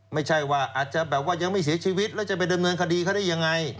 ไม่ใช่ว่าอาจจะแบบว่ายังไม่เสียชีวิตแล้วจะไปดำเนินคดีเขาได้ยังไง